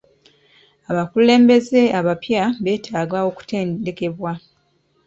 Abakulembeze abapya beetaaga okutendekebwa.